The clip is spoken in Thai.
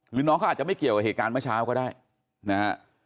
น้องเขาอาจจะไม่เกี่ยวกับเหตุการณ์เมื่อเช้าก็ได้นะฮะ